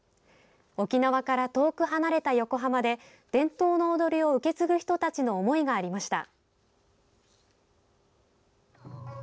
沖縄から遠く離れた横浜で伝統の踊りを受け継ぐ人たちの思いがありました。